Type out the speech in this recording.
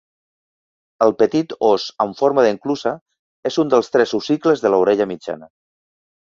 El petit os amb forma d'enclusa és un dels tres ossicles de l'orella mitjana.